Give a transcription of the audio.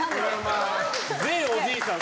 全おじいさん